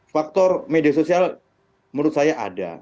faktor media sosial menurut saya ada